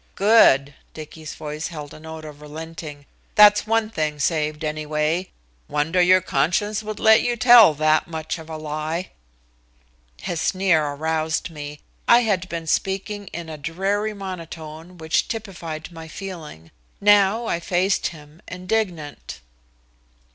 "Good!" Dicky's voice held a note of relenting. "That's one thing saved, any way. Wonder your conscience would let you tell that much of a lie." His sneer aroused me. I had been speaking in a dreary monotone which typified my feeling. Now I faced him, indignant.